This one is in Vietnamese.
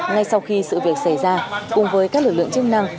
ngay sau khi sự việc xảy ra cùng với các lực lượng chức năng